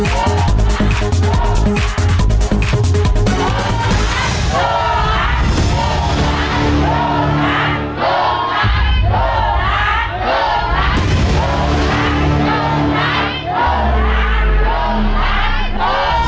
โบนัสโบนัสโบนัส